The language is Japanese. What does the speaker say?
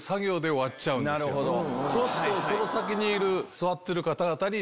そうするとその先にいる。